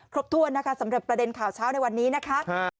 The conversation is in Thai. ครบถ้วนนะคะสำหรับประเด็นข่าวเช้าในวันนี้นะคะ